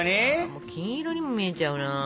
もう金色にも見えちゃうな。